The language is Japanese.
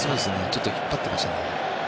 ちょっと引っ張ってましたね。